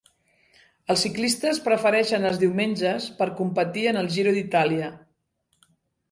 Els ciclistes prefereixen els diumenges per competir en el Giro d'Itàlia.